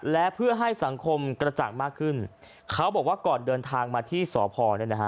และเพื่อให้สังคมกระจ่างมากขึ้นเขาบอกว่าก่อนเดินทางมาที่สพเนี่ยนะฮะ